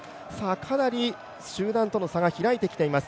かなり集団との差が開いてきています。